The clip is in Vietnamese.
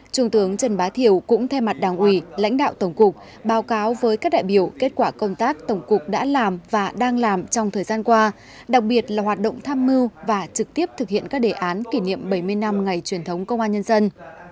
trung tướng trần bá thiểu cũng thay mặt đảng ủy lãnh đạo tổng cục báo cáo với các đại biểu kết quả công tác tổng cục đã làm và đang làm trong thời gian qua đặc biệt là hoạt động tham mưu và trực tiếp thực hiện các đề án kỷ niệm bảy mươi năm ngày truyền thống công an nhân dân